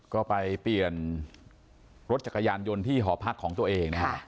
ก็ไปเปลี่ยนรถจักรยานยนต์ที่หอพักของตัวเองนะฮะ